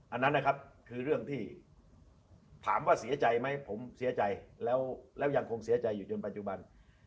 อันนั้นนะครับคือเรื่องที่ถามว่าเสียใจไหมผมเสียใจแล้วยังคงเสียใจอยู่จนปัจจุบัน